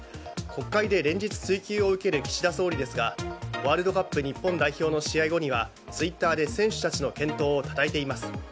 国会で連日追及を受ける岸田総理ですがワールドカップ日本代表の試合後にはツイッターで選手たちの健闘をたたえています。